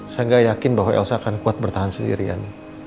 saya gak yakin bahwa elsa akan kuat bertahan sendirian